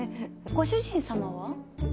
ご主人様は？